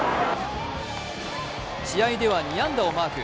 試合では２安打をマーク。